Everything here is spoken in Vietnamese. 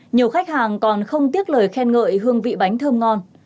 nhiều khách hàng còn không tiếc lời khen ngợi hương vị bánh thơm ngon